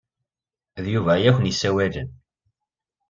D Yuba i ak-n-isawalen.